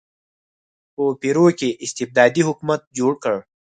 په پیرو کې استبدادي حکومت جوړ کړ.